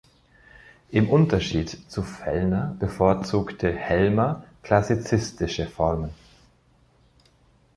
Im Unterschied zu Fellner bevorzugte Helmer klassizistische Formen.